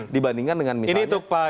dibandingkan dengan misalnya